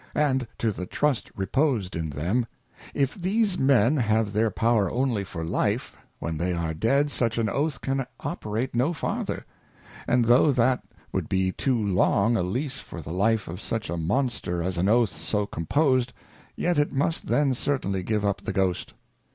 and to the Trust reposed in them ; If these Men have their power only for life, when they are dead such an Oath can operate no farther; and tho that M ould be too long a Lease for the life of such a Monster as an Oath so composed, yet it must then, certainly give up the Ghost.